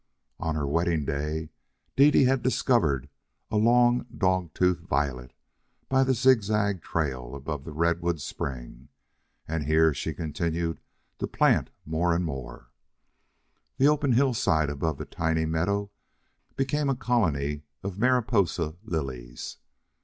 On her wedding day Dede had discovered a long dog tooth violet by the zigzag trail above the redwood spring, and here she continued to plant more and more. The open hillside above the tiny meadow became a colony of Mariposa lilies.